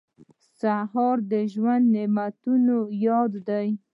سهار د ژوند د نعمتونو یاد دی.